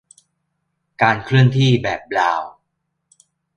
"การเคลื่อนที่แบบบราวน์"